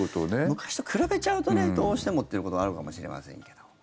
昔と比べちゃうとねどうしてもっていうことがあるかもしれませんけれども。